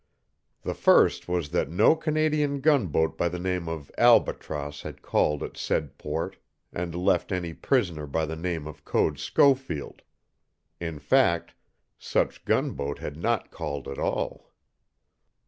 The first was that no Canadian gunboat by the name of Albatross had called at said port and left any prisoner by the name of Code Schofield in fact, such gunboat had not called at all.